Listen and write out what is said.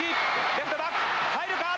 レフトバック入るか。